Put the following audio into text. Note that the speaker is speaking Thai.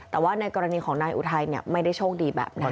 แต่ว่าในกรณีของนายอุทัยไม่ได้โชคดีแบบนั้น